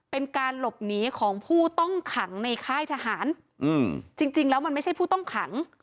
เป็นการหลบหนีของผู้ต้องขังในค่ายทหารอืมจริงจริงแล้วมันไม่ใช่ผู้ต้องขัง